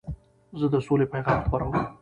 زه د سولي پیغام خپروم.